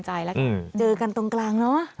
เจอกันตรงกลางเนอะ